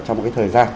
trong cái thời gian